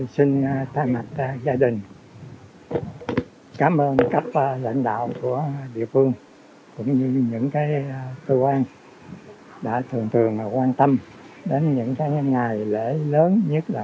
xin thay mặt gia đình cảm ơn các lãnh đạo của địa phương cũng như những cơ quan đã thường thường quan tâm đến những ngày lễ lớn nhất